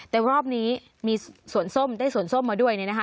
แต่รอบนี้มีสวนส้มได้สวนส้มมาด้วยเนี่ยนะคะ